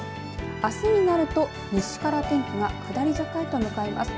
あすになると西から天気が下り坂へと向かいます。